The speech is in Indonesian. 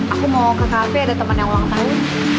aku mau ke cafe ada teman yang uang tahu